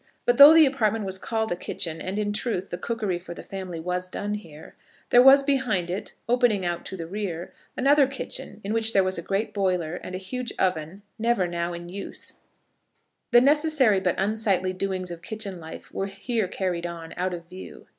But though the apartment was called a kitchen, and, in truth, the cookery for the family was done here, there was behind it, opening out to the rear, another kitchen in which there was a great boiler, and a huge oven never now used. The necessary but unsightly doings of kitchen life were here carried on, out of view.